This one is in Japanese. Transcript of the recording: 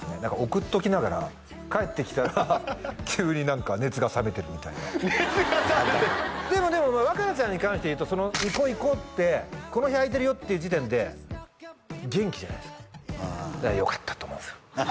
送っときながら返ってきたら急に何か熱が冷めてるみたいな熱が冷めてるでもでも若菜ちゃんに関していうと行こう行こうってこの日あいてるよっていう時点で元気じゃないですかよかったと思うんですよ